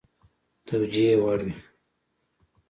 توجیه وړ وي.